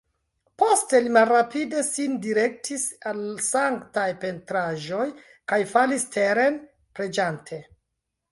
Poste li malrapide sin direktis al sanktaj pentraĵoj kaj falis teren, preĝante.